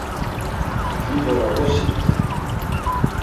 Himdora vrosirt̆ey.